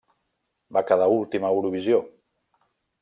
Va quedar últim a Eurovisió.